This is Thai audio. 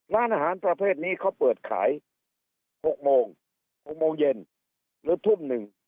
ร้านอาหารประเภทนี้เขาเปิดขาย๖โมง๖โมงเย็นหรือทุ่มหนึ่ง